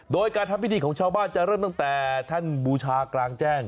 โดยการทำพิธีของชาวบ้านจะเริ่มตั้งแต่ท่านบูชากลางแจ้ง